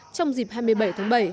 trong dịp hai mươi bảy tháng bảy